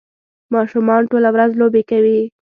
ماشومان ټوله ورځ لوبې کوي.